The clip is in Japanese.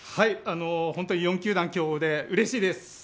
本当に４球団競合で、うれしいです。